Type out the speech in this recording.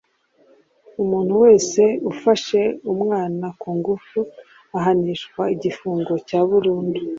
umuntu wese ufashe umwana kungufu ahanishwa igifungo cya burundu